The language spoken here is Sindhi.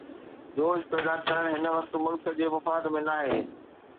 جوش پيدا ڪرڻ هن وقت ملڪ جي مفاد ۾ ناهي.